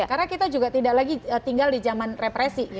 karena kita juga tidak lagi tinggal di jaman represi